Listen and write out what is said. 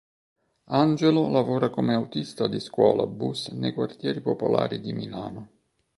Angelo lavora come autista di scuolabus nei quartieri popolari di Milano.